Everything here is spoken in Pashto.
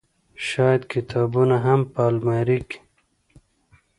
شايد کتابونه هم په المارۍ کې